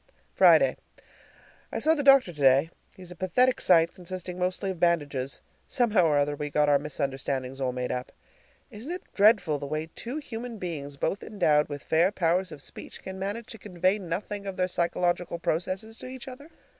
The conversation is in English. Friday. I saw the doctor today. He's a pathetic sight, consisting mostly of bandages. Somehow or other we got our misunderstandings all made up. Isn't it dreadful the way two human beings, both endowed with fair powers of speech, can manage to convey nothing of their psychological processes to each other?